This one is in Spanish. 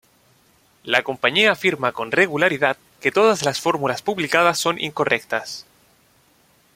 La compañía afirma con regularidad que todas las fórmulas publicadas son incorrectas.